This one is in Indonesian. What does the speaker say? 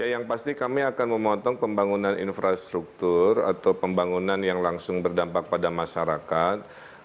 dan yang pasti kami akan memotong pembangunan infrastruktur atau pembangunan yang langsung berdampak ke kota bandung